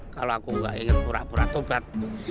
kalo aku gak ingin pura pura tobat